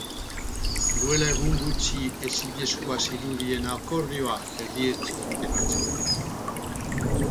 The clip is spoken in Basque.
Duela egun gutxi ezinezkoa zirudien akordioa erdietsi zuten atzo.